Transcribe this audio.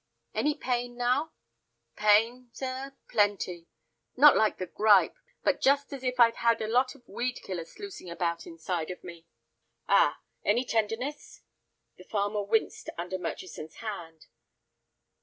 "Any pain now?" "Pain, sir, plenty; not like the gripe, but just as if I had a lot of weed killer sluicing about inside of me." "Ah! Any tenderness?" The farmer winced under Murchison's hand.